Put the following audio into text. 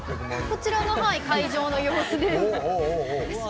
こちらは、会場の様子です。